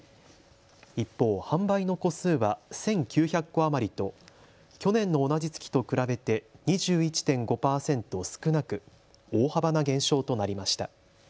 一方、販売の戸数は１９００戸余りと去年の同じ月と比べて２１．５％少なく大幅な減少となりました。